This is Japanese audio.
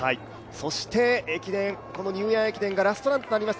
そしてニューイヤー駅伝がラストランとなりました